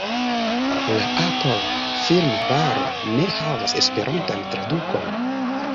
La Apple-firmvaro ne havas esperantan tradukon.